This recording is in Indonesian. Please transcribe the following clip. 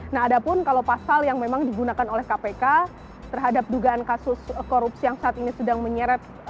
nah ada pun kalau pasal yang memang digunakan oleh kpk terhadap dugaan kasus korupsi yang saat ini sedang menyeret